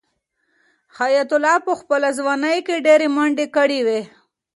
حیات الله په خپله ځوانۍ کې ډېرې منډې کړې وې.